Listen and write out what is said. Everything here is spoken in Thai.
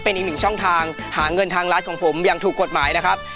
เป็นอีกหนึ่งช่องทางหาเงินทางรัฐของผมอย่างถูกกฎหมายนะครับ